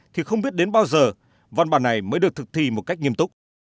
thì không biết đến bao giờ văn bản này mới được thực thi một cách nghiêm túc